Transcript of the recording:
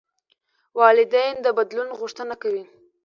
والدین د بدلون غوښتنه کوي.